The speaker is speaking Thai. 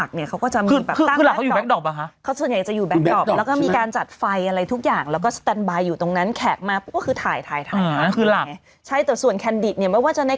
เสือมันติดคนเขาก็จะต้องหาวิธีขยับมุมอะไรไปอย่างนั้นอยู่แล้วไง